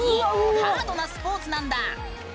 ハードなスポーツなんだ。